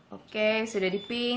oke sudah dipin